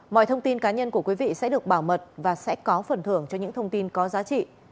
mọi thông tin cá nhân của quý vị sẽ được bảo mật và sẽ có phần thưởng cho những thông tin có giá trị